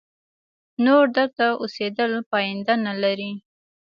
نور دلته اوسېدل پایده نه لري.